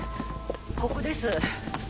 ここです。